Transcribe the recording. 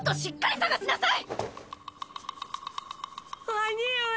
兄上。